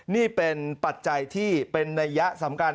นี่เป็นปัจจัยที่เป็นนัยยะสำคัญ